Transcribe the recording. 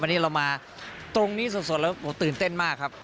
วันนี้เรามาตรงนี้สดแล้วตื่นเต้นมากครับ